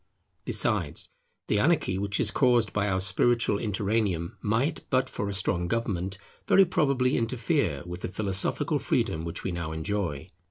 Besides, the anarchy which is caused by our spiritual interregnum, might, but for a strong government, very probably interfere with the philosophical freedom which we now enjoy.